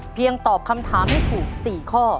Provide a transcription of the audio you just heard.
เพียงตอบคำถามให้ถูก๔ข้อ